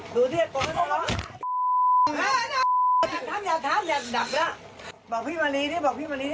ดูที่กลมก็ต้องรออย่าทำอย่าดับละบอกพี่มารีดิบอกพี่มารีดิ